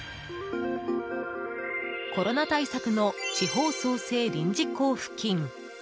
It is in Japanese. コロナ対策の地方創生臨時交付金。